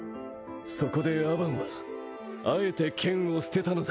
そこでアバンはあえて剣を捨てたのだ。